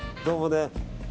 どうもね。